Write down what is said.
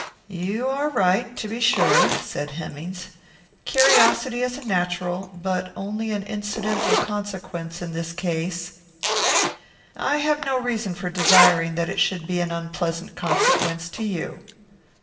"You are right, to be sure," said Hemmings. "Curiosity is a natural, but only an incidental, consequence in this case. I have no reason for desiring that it should be an unpleasant consequence to you."